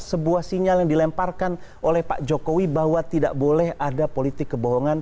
sebuah sinyal yang dilemparkan oleh pak jokowi bahwa tidak boleh ada politik kebohongan